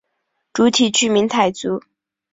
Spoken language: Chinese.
主体居民傣族。